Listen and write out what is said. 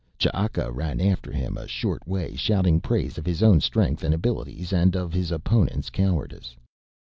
Ch'aka ran after him a short way, shouting praise of his own strength and abilities and of his opponent's cowardice.